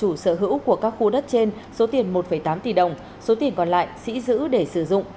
chủ sở hữu của các khu đất trên số tiền một tám tỷ đồng số tiền còn lại sĩ giữ để sử dụng